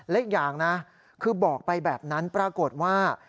และอีกอย่างนะคือบอกไปแบบนั้นปรากฏว่า